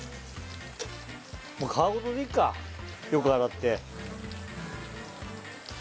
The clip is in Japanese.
もう皮ごとでいっかよく洗って。